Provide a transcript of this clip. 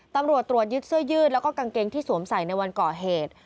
ตำรวจตรวจยึดเสื้อยืดแล้วก็กางเกงที่สวมใส่ในวันก่อเหตุ